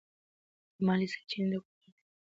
مالی سرچینې د کورنۍ د اړتیاوو لپاره برابرېږي.